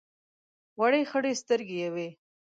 وړې خړې سترګې یې وې.